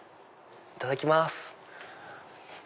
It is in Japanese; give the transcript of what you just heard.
いただきます。